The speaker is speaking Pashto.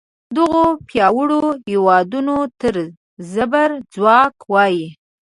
دغو پیاوړو هیوادونو ته زبر ځواک وایي.